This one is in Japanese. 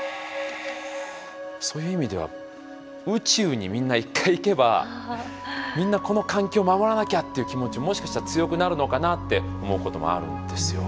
そういう意味では宇宙にみんな一回行けばみんなこの環境を守らなきゃっていう気持ちもしかしたら強くなるのかなって思うこともあるんですよ。